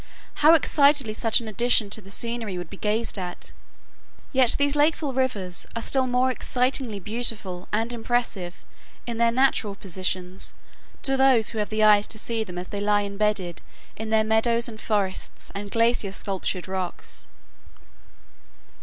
How excitedly such an addition to the scenery would be gazed at! Yet these lakeful rivers are still more excitingly beautiful and impressive in their natural positions to those who have the eyes to see them as they lie imbedded in their meadows and forests and glacier sculptured rocks.